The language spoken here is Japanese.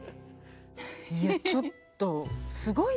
いやちょっとすごいでしょ。